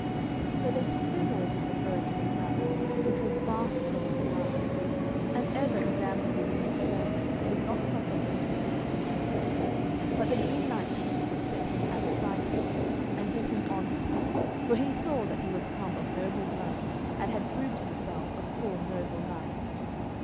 So they took their horses and rode to his manor, which was fast there beside. And ever the damsel rebuked Fair hands, and would not suffer him to sit at her table. But the Green Knight took him and set him at a side table, and did him honour, for he saw that he was come of noble blood and had proved himself a full noble knight.